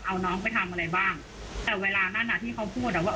เอาน้องไปทำอะไรบ้างแต่เวลานั้นอ่ะที่เขาพูดอ่ะว่า